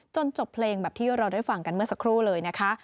จบเพลงแบบที่เราได้ฟังกันเมื่อสักครู่เลยนะคะ